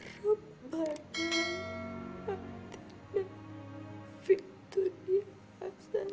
rupanya hati dan pintunya asal